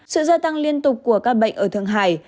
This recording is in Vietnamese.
sự gia tăng liên tục của ca bệnh ở thượng hải